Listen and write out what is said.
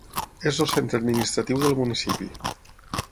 És el centre administratiu del municipi.